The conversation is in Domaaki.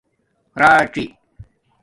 راڅی